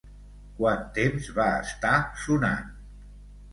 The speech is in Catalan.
Quant temps va estar sonant?